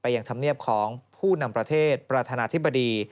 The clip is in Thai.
ยังธรรมเนียบของผู้นำประเทศประธานาธิบดี